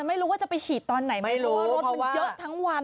ไม่รู้ว่าจะไปฉีดตอนไหนไม่รู้เพราะรถมันเยอะทั้งวัน